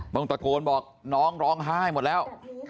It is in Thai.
ต้องตะโกนบอกน้องร้องไห้หมดแล้ว